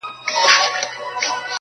تاوان چي پر هر ځاى راوگرځوې، گټه ده.